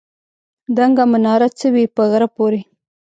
دنګه مناره څه وي په غره پورې.